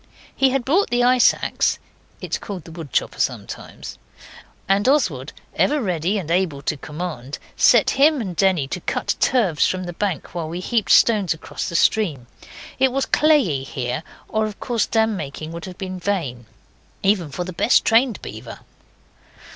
He had brought the ice axe (it is called the wood chopper sometimes), and Oswald, ever ready and able to command, set him and Denny to cut turfs from the bank while we heaped stones across the stream. It was clayey here, or of course dam making would have been vain, even for the best trained beaver.